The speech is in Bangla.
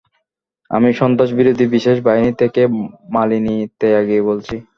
আমি সন্ত্রাস বিরোধী বিশেষ বাহিনী থেকে মালিনী তেয়াগি বলছি।